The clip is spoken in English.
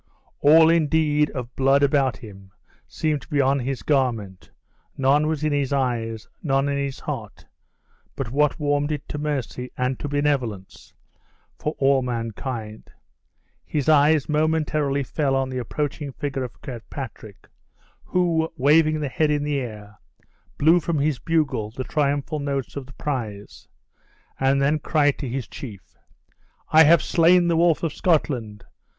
All, indeed, of blood about him seemed to be on his garment; none was in his eyes, none in his heart but what warmed it to mercy and to benevolence for all mankind. His eyes momentarily fell on the approaching figure of Kirkpatrick, who, waving the head in the air, blew from his bugle the triumphal notes of the Pryse, and then cried to his chief: "I have slain the wolf of Scotland!